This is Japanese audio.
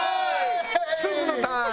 すずのターン！